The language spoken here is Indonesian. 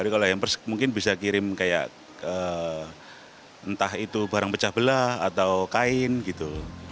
kalau yang pers mungkin bisa kirim kayak entah itu barang pecah belah atau kain gitu